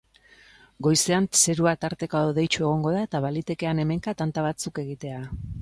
Goizean zerua tarteka hodeitsu egongo da eta baliteke han-hemenka tanta batzuk egitea.